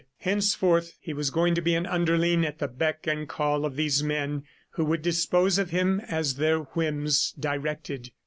Henceforth he was going to be an underling at the beck and call of these men who would dispose of him as their whims directed.